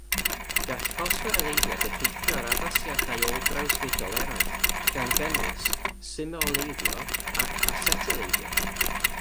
Gall ffosfforyleiddiad effeithio ar addasiadau ôl-drawsfudol eraill, gan gynnwys sumoyleiddio ac asetyleiddio.